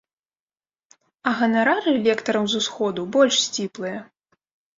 А ганарары лектараў з усходу больш сціплыя.